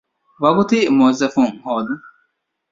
ވަގުތީ މުވައްޒަފުން ހޯދުން